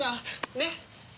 ねっ？